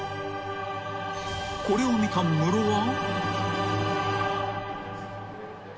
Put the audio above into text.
［これを見たムロは］